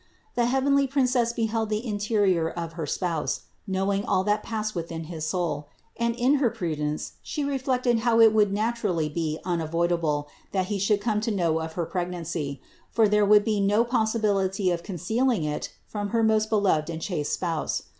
The heavenly Princess beheld the in terior of her spouse, knowing all that passed within his soul ; and in her prudence She reflected how it would naturally be unavoidable, that he should come to know of her pregnancy; for there would be no possibility of concealing it from her most beloved and chaste spouse.